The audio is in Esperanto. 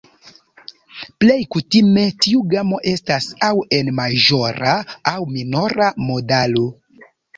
Plej kutime, tiu gamo estas aŭ en maĵora aŭ minora modalo.